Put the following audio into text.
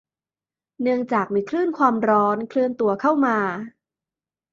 เนื้องจากมีคลื่นความร้อนเคลื่อนตัวเข้ามา